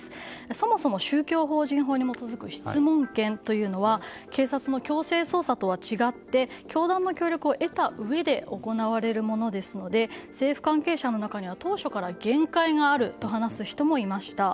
そもそも宗教法人法に基づく質問権というのは警察の強制捜査とは違って教団の協力を得たうえで行われるものですので政府関係者の中には当初から限界があると話す人もいました。